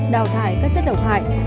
đào thải các chất đậu hại